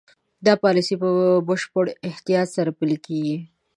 دا پالیسي په بشپړ احتیاط سره پلي کېږي.